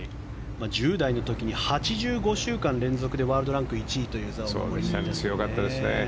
１０代の時に８５週間連続でワールドランク１位という記録を出したんですよね。